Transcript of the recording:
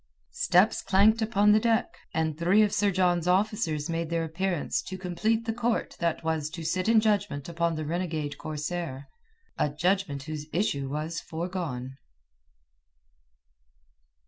Steps clanked upon the deck, and three of Sir John's officers made their appearance to complete the court that was to sit in judgment upon the renegade corsair, a judgment whose issue was foregone.